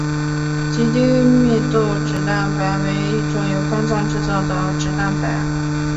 极低密度脂蛋白为一种由肝脏制造的脂蛋白。